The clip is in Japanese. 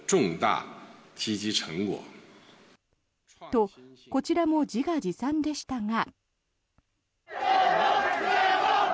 と、こちらも自画自賛でしたが。